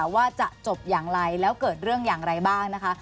ว่าจะจบอย่างไรแล้วเกิดเรื่องอย่างไรบ้างนะคะ